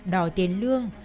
đòi tiền lương